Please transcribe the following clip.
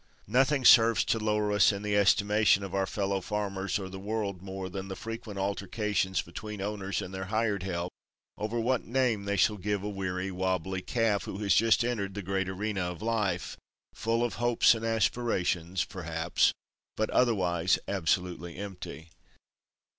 Nothing serves to lower us in the estimation of our fellow farmers or the world more than the frequent altercations between owners and their hired help over what name they shall give a weary, wobbly calf who has just entered the great arena of life, full of hopes and aspirations, perhaps, but otherwise absolutely empty.